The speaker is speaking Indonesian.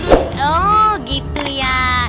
oh gitu ya